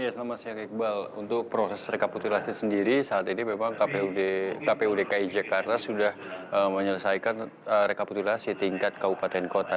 selamat siang iqbal untuk proses rekapitulasi sendiri saat ini memang kpu dki jakarta sudah menyelesaikan rekapitulasi tingkat kabupaten kota